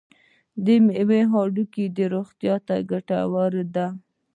دا میوه د هډوکو روغتیا ته ګټوره ده.